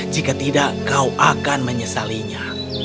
jika tidak kau akan menyesalinya